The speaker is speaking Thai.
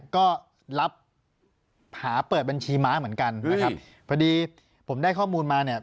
ก็รับหาเปิดบัญชีม้าเหมือนกันนะครับพอดีผมได้ข้อมูลมาเนี่ย